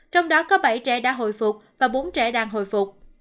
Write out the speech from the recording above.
trong đó có bảy trẻ đã hồi phục và bốn trẻ đang hồi phục